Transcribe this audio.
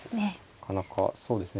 なかなかそうですね